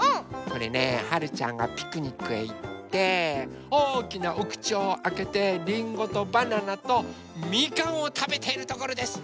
これねはるちゃんがピクニックへいっておおきなおくちをあけてりんごとバナナとみかんをたべているところです！